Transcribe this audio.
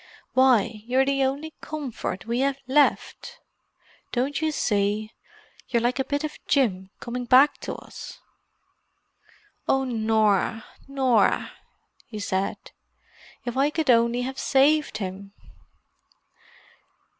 Why, you're the only comfort we have left. Don't you see, you're like a bit of Jim coming back to us?" "Oh, Norah—Norah!" he said. "If I could only have saved him!"